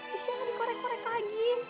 cisnya gak dikorek korek lagi